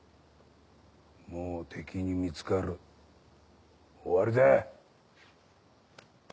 もう敵に見つかる終わりだ。